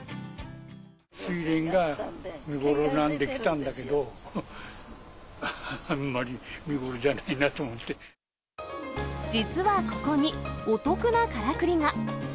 すいれんが見頃なんで来たんだけど、実はここにお得なからくりが。